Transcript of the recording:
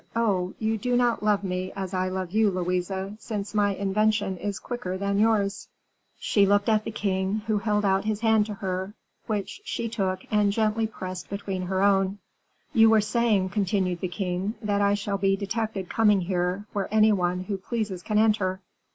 Oh, you do not love me as I love you, Louise, since my invention is quicker than yours." She looked at the king, who held out his hand to her, which she took and gently pressed between her own. "You were saying," continued the king, "that I shall be detected coming here, where any one who pleases can enter."